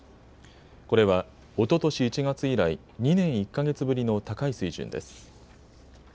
これは、おととし１月以来、２年１か月ぶりの高い水準です。